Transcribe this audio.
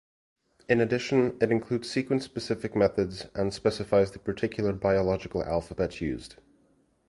In addition, it includes sequence-specific methods and specifies the particular biological alphabet used.